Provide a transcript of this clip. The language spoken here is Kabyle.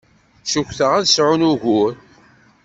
Cukkteɣ ad sɛun ugur.